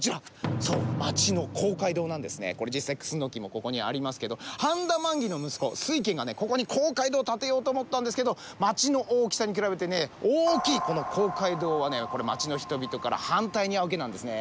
これ実際クスノキもここにありますけど繁田満義の息子翠軒がここに公会堂を建てようと思ったんですけど町の大きさに比べて大きいこの公会堂は町の人々から反対に遭うわけなんですね。